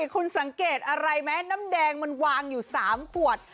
คุณสังเกตอะไรไหมน้ำแดงมันวางอยู่๓ขวด